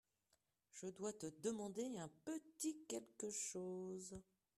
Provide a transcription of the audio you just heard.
je dois te demander un petit quelque chose.